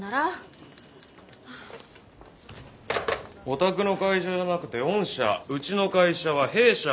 お宅の会社じゃなくて「御社」うちの会社は「弊社」。